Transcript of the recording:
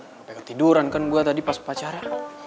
sampai ketiduran kan gue tadi pas upacara